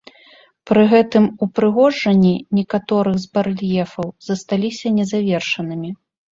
Пры гэтым ўпрыгожанні некаторых з барэльефаў засталіся незавершанымі.